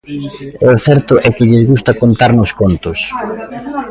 E o certo é que lles gusta contarnos contos.